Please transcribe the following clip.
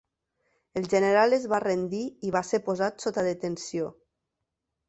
El general es va rendir i va ser posat sota detenció.